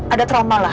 ada trauma lah